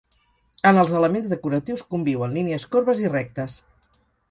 En els elements decoratius conviuen línies corbes i rectes.